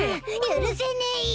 許せねい。